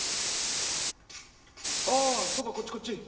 ああそばこっちこっち。